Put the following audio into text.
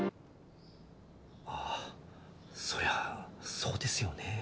ああそりゃそうですよね。